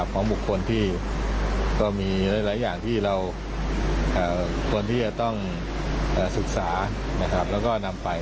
ของบุคคลที่ก็มีหลายอย่างที่เราต้องศึกษาและก็นำไป